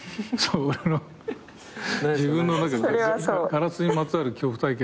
ガラスにまつわる恐怖体験を。